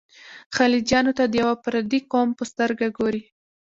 خلجیانو ته د یوه پردي قوم په سترګه ګوري.